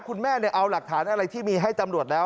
คุณแม่เอาหลักฐานอะไรที่มีให้ตำรวจแล้ว